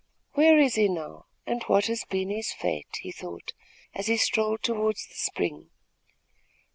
"Where is he now, and what has been his fate?" he thought, as he strolled toward the spring.